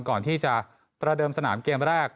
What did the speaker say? ก่อนที่จะประเดิมสนามเกมแรก